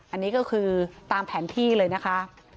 อันนี้ก็คือตามแผนที่เลยนะคะ